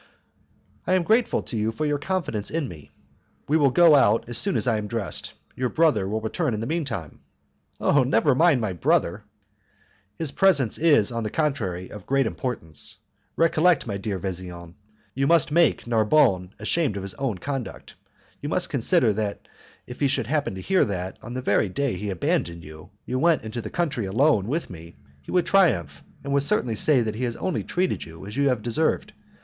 "I am grateful to you for your confidence in me. We will go out as soon as I am dressed. Your brother will return in the mean time." "Oh, never mind my brother!" "His presence is, on the contrary, of great importance. Recollect, my dear Vesian, you must make Narbonne ashamed of his own conduct. You must consider that if he should happen to hear that, on the very day he abandoned you, you went into the country alone with me, he would triumph, and would certainly say that he has only treated you as you deserved.